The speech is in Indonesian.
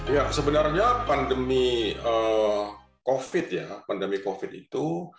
ya sebenarnya pandemi covid ya pandemi covid itu